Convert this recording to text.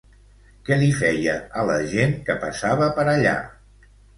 Què li feia a la gent que passava per allà?